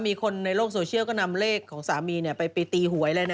มีคนในโลกโซเชียลก็นำเลขของสามีไปตีหวยเลยนะ